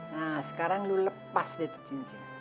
nah sekarang lu lepas deh tuh cincin